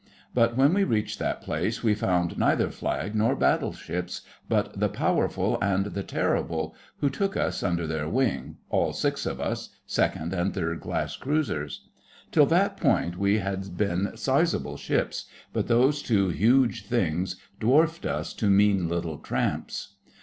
But when we reached that place we found neither Flag nor battle ships, but the Powerful and the Terrible, who took us under their wing—all six of us, second and third class cruisers. Till that point we had been sizeable ships, but those two huge things dwarfed us to mean little tramps.